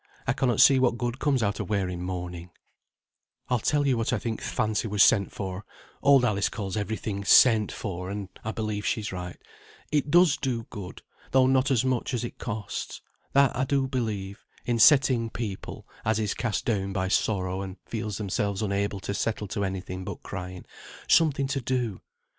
I cannot see what good comes out o' wearing mourning." [Footnote 8: "Shut," quit.] "I'll tell you what I think th' fancy was sent for (Old Alice calls every thing 'sent for,' and I believe she's right). It does do good, though not as much as it costs, that I do believe, in setting people (as is cast down by sorrow and feels themselves unable to settle to any thing but crying) something to do.